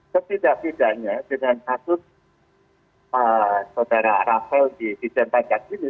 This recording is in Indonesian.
setidak tidaknya dengan kasus saudara rafael di dijen pajak ini